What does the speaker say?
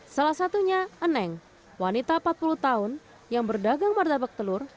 salah satunya eneng wanita empat puluh tahun yang berdagang martabak telur